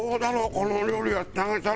この料理やってあげたら。